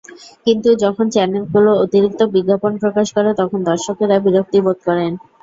কিন্তু যখন চ্যানেলগুলো অতিরিক্ত বিজ্ঞাপন প্রকাশ করে, তখন দর্শকেরা বিরক্তিবোধ করেন।